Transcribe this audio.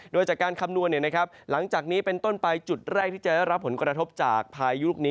โดยจากการคำนวณหลังจากนี้เป็นต้นไปจุดแรกที่จะได้รับผลกระทบจากพายุลูกนี้